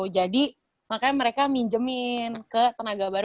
jadi makanya mereka minjemin ke tenaga baru